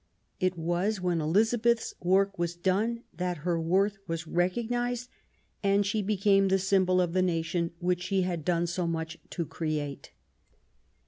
It was when Elizabeth's work was done that her worth was recognised, and she became the symbol of the nation which she had done so much to create.